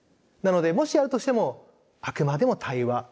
なのでもしやるとしてもあくまでも対話。